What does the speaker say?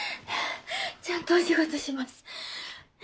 ちゃんとお仕事します。